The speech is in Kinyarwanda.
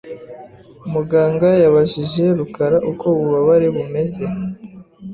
Muganga yabajije rukara uko ububabare bumeze .